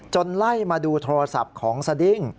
ไล่มาดูโทรศัพท์ของสดิ้ง